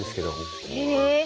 へえ。